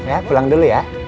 ya pulang dulu ya